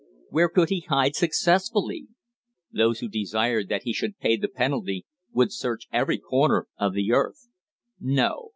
Where could he hide successfully? Those who desired that he should pay the penalty would search every corner of the earth. No.